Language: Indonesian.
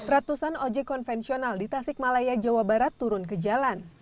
ratusan ojek konvensional di tasik malaya jawa barat turun ke jalan